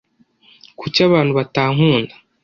Kuki abantu batankunda